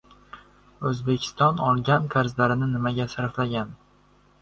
O‘zbekiston olgan qarzlarini nimaga sarflagan?